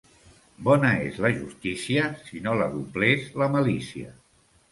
Bona és la justícia si no la doblés la malícia.